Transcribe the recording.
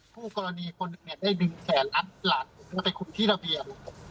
ผู้กรณีคนหนึ่งเนี่ยได้ดึงแขนรับหลานผมไปขุดที่ระเบียง